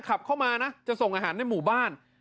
ขับเข้ามานะจะส่งอาหารในหมู่บ้าน